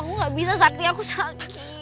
aku gak bisa sakti aku sakit